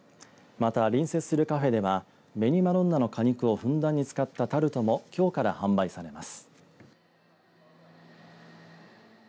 また、隣接するカフェでは紅まどんなの果肉をふんだんに使ったタルトもきょうから販売されます。